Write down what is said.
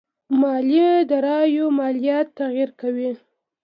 مالي داراییو ماليات تغير کوي.